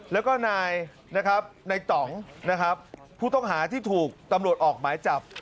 แล้วก็นายนะครับนายต่องนะครับผู้ต้องหาที่ถูกตำรวจออกหมายจับ